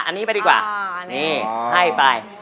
ห้านี่ให้เปล่า